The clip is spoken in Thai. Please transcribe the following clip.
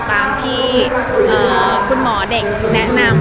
ตามที่คุณหมอเด็กแนะนำ